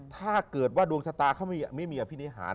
ถ้าเกิดว่าดวงชะตาเขาไม่มีอภินิหาร